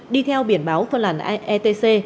đi theo biển báo phân làn etc